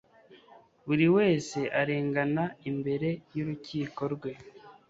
buri wese arengana imbere y'urukiko rwe